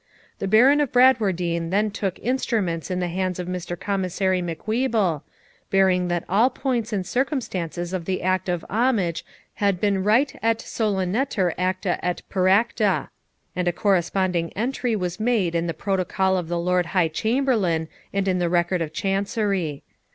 The Baron of Bradwardine then took instruments in the hands of Mr. Commissary Macwheeble, bearing that all points and circumstances of the act of homage had been rite et solenniter acta et peracta; and a corresponding entry was made in the protocol of the Lord High Chamberlain and in the record of Chancery.